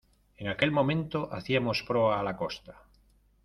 en aquel momento hacíamos proa a la costa.